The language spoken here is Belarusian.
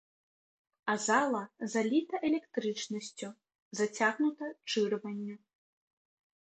А зала заліта электрычнасцю, зацягнута чырванню.